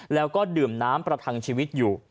แล้วก็ดื่มน้ำประทังชีวิตอยู่